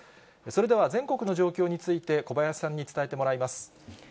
それでは全国の状況について、小林さんに伝えてもらいます。